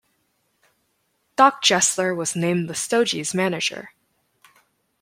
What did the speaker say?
Doc Gessler was named the Stogies' manager.